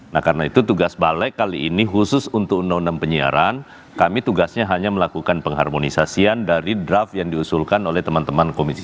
nah karena itu tugas balek kali ini khusus untuk undang undang penyiaran kami tugasnya hanya melakukan pengharmonisasian dari draft yang diusulkan oleh teman teman komisi tiga